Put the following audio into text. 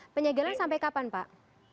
penyegelan sampai kapan pak